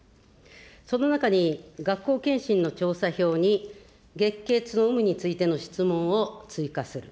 その中に学校健診の調査票に、月経痛の有無についての質問を追加する。